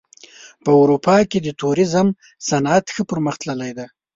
په اروپا کې د توریزم صنعت ښه پرمختللی دی.